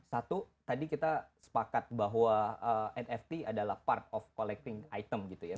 satu tadi kita sepakat bahwa nft adalah part of collecting item gitu ya